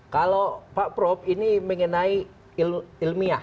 kalau pak prof ini mengenai ilmiah